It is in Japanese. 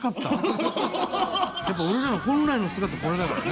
やっぱ俺らの本来の姿これだからね。